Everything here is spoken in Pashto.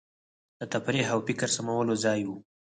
د تفریح او فکر سمولو ځای وو.